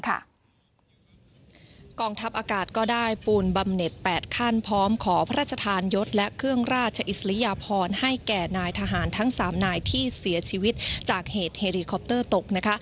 กองทัพอากาศก็ได้ปูนบำเน็ต๘ขั้นพร้อมขอพระราชทานยศและเครื่องราชอิสริยพรให้แก่นายทหารทั้ง๓นายที่เสียชีวิตจากเหตุเฮลีคอปเตอร์ตกนะคะ